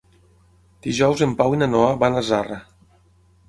Dijous en Pau i na Noa van a Zarra.